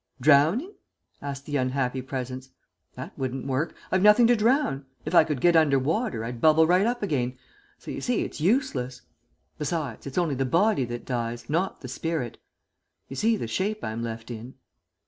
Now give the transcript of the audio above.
"Drowning?" asked the unhappy Presence. "That wouldn't work. I've nothing to drown. If I could get under water, I'd bubble right up again, so you see it's useless. Besides, it's only the body that dies, not the spirit. You see the shape I'm left in."